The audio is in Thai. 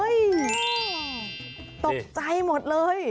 ตกใจหมดเลย